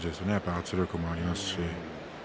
圧力もありますし。